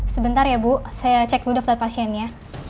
sebentar ya bu saya cek dulu daftar pasiennya